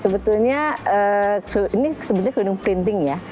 sebetulnya ini sebetulnya gedung printing ya